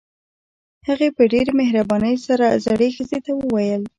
هغې په ډېره مهربانۍ سره زړې ښځې ته وويل.